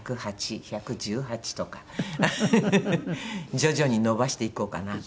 徐々に延ばしていこうかなと。